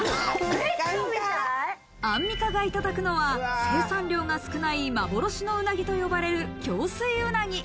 アンミカがいただくのは生産量が少ない幻のうなぎと呼ばれる共水うなぎ。